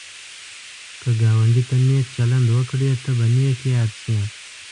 که ګاونډي ته نېک چلند وکړې، ته به نېک یاد شي